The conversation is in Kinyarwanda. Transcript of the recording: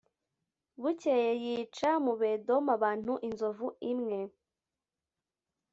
Bukeye yica mu Bedomu abantu inzovu imwe